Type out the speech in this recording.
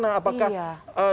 nah itu cara mengatasinya gimana